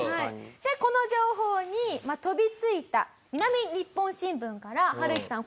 この情報に飛びついた南日本新聞からハルヒさん